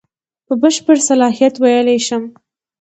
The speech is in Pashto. په بشپړ صلاحیت ویلای شم.